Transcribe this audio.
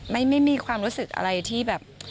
ไม่มีความรู้สึกอะไรที่แบบ